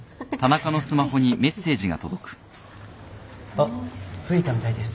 あっ着いたみたいです。